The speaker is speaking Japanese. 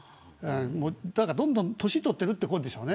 だから、どんどん年を取っているということなんでしょうね。